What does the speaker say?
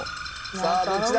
さあどっちだ？